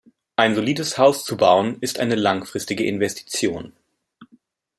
Ein solides Haus zu bauen, ist eine langfristige Investition.